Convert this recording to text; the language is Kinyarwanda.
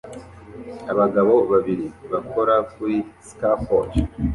Abagabo babiri bakora kuri scafold